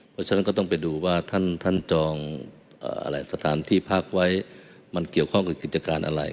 เพราะฉะนั้นก็ต้องไปดูว่าท่านจองอะไรสถานที่พักไว้มันเกี่ยวข้องกับกิจการอะไร